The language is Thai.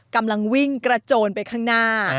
กำลังวิ่งกระโจนไปข้างหน้า